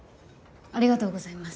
ありがとうございます。